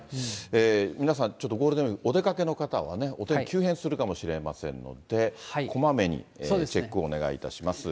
皆さん、ちょっとゴールデンウィーク、お出かけの方はね、お天気急変するかもしれませんので、こまめにチェックをお願いいたします。